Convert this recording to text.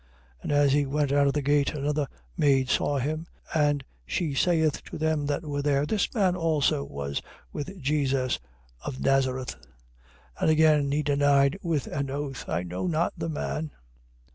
26:71. And as he went out of the gate, another maid saw him; and she saith to them that were there: This man also was with Jesus of Nazareth. 26:72. And again he denied with an oath: I know not the man.